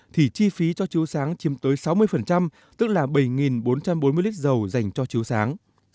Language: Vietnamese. thì chi phí cho chiếu sáng chiếm tới sáu mươi tức là bảy bốn trăm bốn mươi lít dầu dành cho chiếu sáng